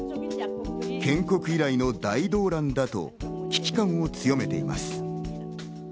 建国以来の大動乱だと危機感を強めています。